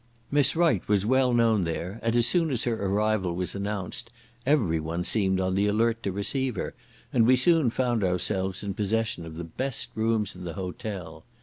Miss Wright was well known there, and as soon as her arrival was announced, every one seemed on the alert to receive her, and we soon found ourselves in possession of the best rooms in the hotel.